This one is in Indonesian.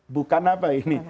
bukan apa ini